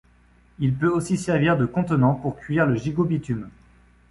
Il peut aussi servir de contenant pour cuire le gigot bitume.